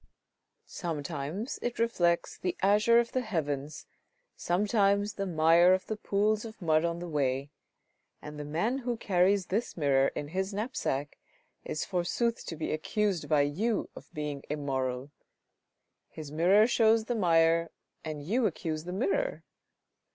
Sometimes it reflects the azure of the heavens, sometimes the mire of the pools of mud on the way, and the man who carries this mirror in his knapsack is forsooth to be accused by you of being immoral ! His mirror shows the mire, and you accuse the mirror